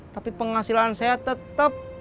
tapi penghasilan saya tetep